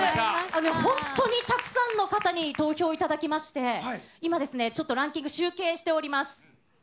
本当にたくさんの方に投票いただきまして、今、ちょっとランキング、集計しております。